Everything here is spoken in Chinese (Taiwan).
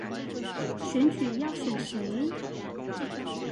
選舉要選誰